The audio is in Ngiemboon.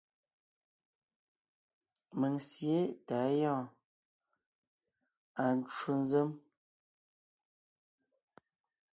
Mèŋ sǐe tà á gyɔ́ɔn; À ncwò nzèm.